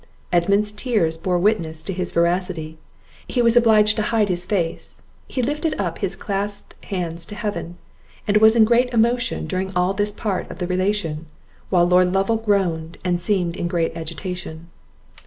Edmund's tears bore witness to his veracity. He was obliged to hide his face, he lifted up his clasped hands to heaven, and was in great emotions during all this part of the relation; while Lord Lovel groaned, and seemed in great agitation.